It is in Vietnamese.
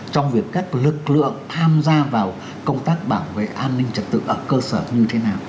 trong việc các lực lượng tham gia vào công tác bảo vệ an ninh trật tự ở cơ sở như thế nào